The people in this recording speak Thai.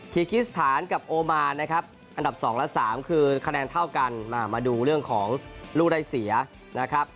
ีกิสถานกับโอมานนะครับอันดับ๒และ๓คือคะแนนเท่ากันมาดูเรื่องของลูกได้เสียนะครับ